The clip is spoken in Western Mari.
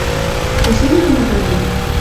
Тӹжем доно тӹдӹн